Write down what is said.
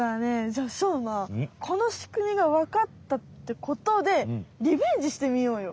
じゃあしょうまこのしくみがわかったってことでリベンジしてみようよ！